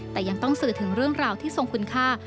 แต่ยังต้องสื่อถึงเรื่องราวที่ทรงคุณค่า